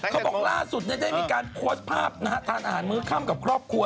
เขาบอกล่าสุดได้มีการโพสต์ภาพทานอาหารมื้อค่ำกับครอบครัว